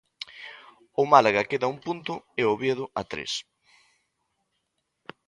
O Málaga queda a un punto e o Oviedo a tres.